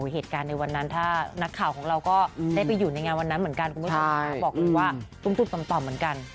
เหตุการณ์ในวันนั้นถ้านักข่าวของเราก็ได้ไปอยู่ในงานวันนั้นเหมือนกันคุณผู้ชมบอกเลยว่าตุ้มต่อมเหมือนกัน